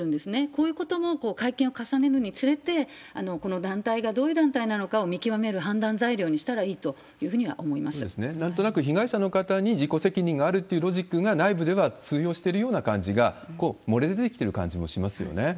こういうことも会見を重ねるにつれて、この団体がどういう団体なのかを見極める判断材料にしたらいいとなんとなく被害者の方に自己責任があるっていうロジックが、内部では通用してるような感じが漏れ出てきてるような感じもしますよね。